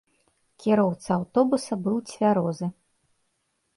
Кіроўца аўтобуса быў цвярозы.